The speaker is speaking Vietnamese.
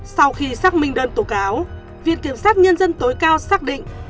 sau khi xác minh đơn tố cáo viện kiểm sát nhân dân tối cao xác định